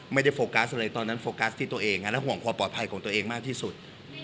ให้อีกคนรู้สึกโอเคไงสำหรับเราเนี่ย